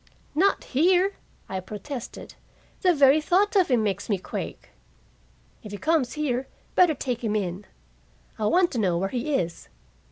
"Not here," I protested. "The very thought of him makes me quake." "If he comes here, better take him in. I want to know where he is."